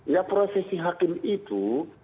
ya prosesi hakim itu